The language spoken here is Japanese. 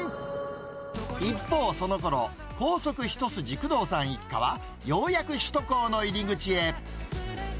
一方、そのころ、高速一筋、工藤さん一家はようやく首都高の入り口へ。